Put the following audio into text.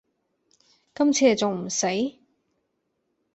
今次你仲唔死